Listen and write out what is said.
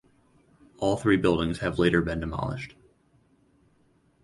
All three buildings have later been demolished.